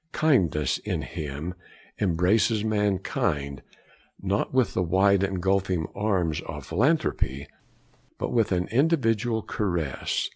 Kindness, in him, embraces mankind, not with the wide engulfing arms of philanthropy, but with an individual caress.